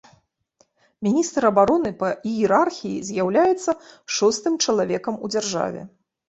Міністр абароны па іерархіі з'яўляецца шостым чалавекам у дзяржаве.